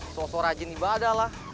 sosok rajin ibadah lah